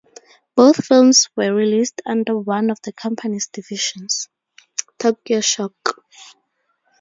Both films were released under one of the company's divisions, Tokyo Shock.